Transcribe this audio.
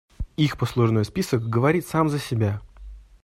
Их послужной список говорит сам за себя.